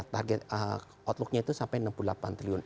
target outlooknya itu sampai enam puluh delapan triliun